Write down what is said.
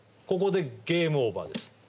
ここでゲームオーバーです